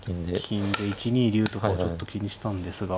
金で１二竜とかちょっと気にしたんですが。